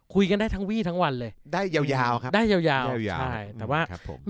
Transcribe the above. คุยกันได้ทั้งวี่ทั้งวันเลยได้ยาวยาวครับได้ยาวยาวใช่แต่ว่าครับผม